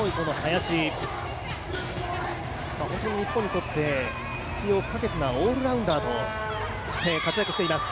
日本にとって必要不可欠なオールラウンダーとして活躍しています。